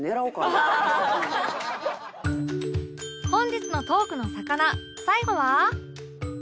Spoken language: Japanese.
本日のトークのさかな最後は